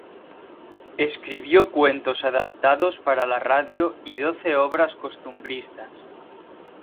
Escribió cuentos adaptados para la radio y doce obras costumbristas.